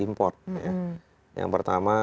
impor yang pertama